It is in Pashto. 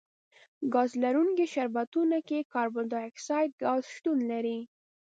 ګاز لرونکي شربتونو کې کاربن ډای اکسایډ ګاز شتون لري.